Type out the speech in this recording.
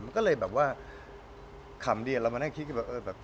มันก็เลยแบบว่าขำดีเรามานั่งคิดกันแบบเออแบบ